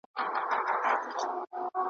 کله دي مرګ وي اور د ګرمیو ,